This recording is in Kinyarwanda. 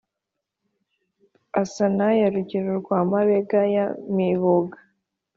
asa n’aya rugero rwa mabega ya mibuga,